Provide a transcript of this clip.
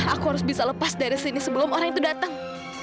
aku harus bisa lepas dari sini sebelum orang itu datang